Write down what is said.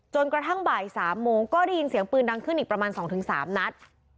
กระทั่งบ่าย๓โมงก็ได้ยินเสียงปืนดังขึ้นอีกประมาณ๒๓นัด